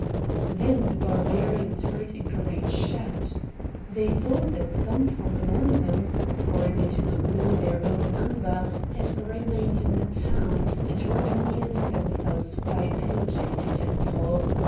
Then the Barbarians heard a great shout. They thought that some from among them (for they did not know their own number) had remained in the town, and were amusing themselves by pillaging a temple.